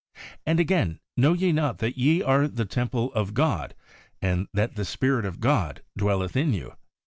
And again, 'Know ye not that ye are the temple of God, and that the Spirit of God dwelleth in you